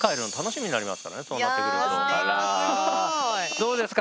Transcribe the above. どうですか？